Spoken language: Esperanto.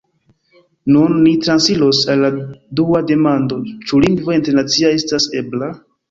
Nun ni transiros al la dua demando: « ĉu lingvo internacia estas ebla?"